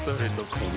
この